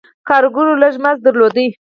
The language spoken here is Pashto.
کارګرو لږ مزد درلود.